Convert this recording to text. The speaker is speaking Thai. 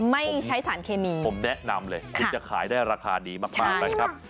ไม่ใช้สารเคมีผมแนะนำเลยคุณจะขายได้ราคาดีมากนะครับ